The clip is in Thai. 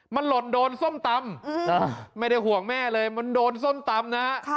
มันหล่นโดนส้มตำไม่ได้ห่วงแม่เลยมันโดนส้มตำนะฮะ